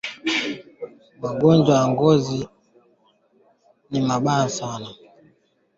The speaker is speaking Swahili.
Magonjwa ya ngozi kwa ngombe hujumuisha mapele ya ngozi na ukurutu